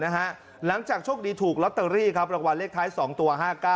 หลังจากโชคดีถูกลอตเตอรี่ครับรางวัลเลขท้าย๒ตัว๕๙